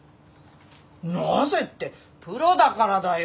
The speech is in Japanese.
なぜってプロだからだよ！